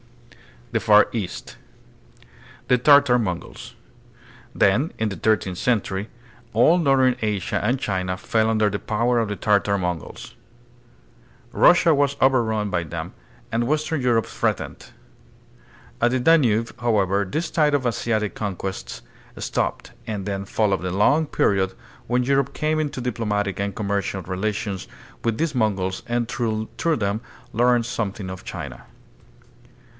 The Far East. The Tartar Mongols. Then in the thirteenth century all northern Asia and China fell under the power of the Tartar Mongols. Russia was overrun by them and western Europe threatened. At the Danube, however, this tide of Asiatic conquest stopped, and then followed a long period when Europe came into diplomatic and commercial relations with these Mongols and through them learned something of China.